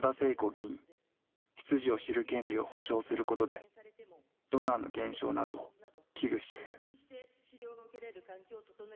出自を知る権利を保障することでドナーの減少などを危惧している。